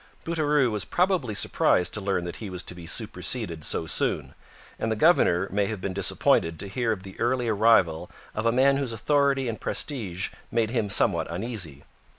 Bouteroue was probably surprised to learn that he was to be superseded so soon, and the governor may have been disappointed to hear of the early arrival of a man whose authority and prestige made him somewhat uneasy.